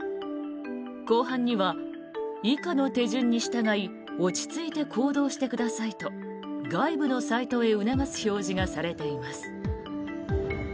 後半には、以下の手順に従い落ち着いて行動してくださいと外部のサイトへ促す表示がされています。